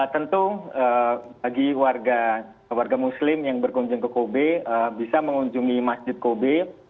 tentu bagi warga muslim yang berkunjung ke kobe bisa mengunjungi masjid kobe